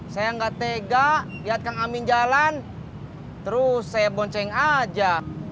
saya nggak tega lihat kang amin jalan terus saya bonceng aja